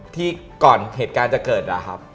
ที่ก่อนเหตุการณ์จะเกิดนะครับ